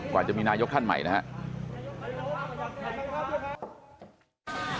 ก่อนจะมีนายกท่านใหม่นะฮะ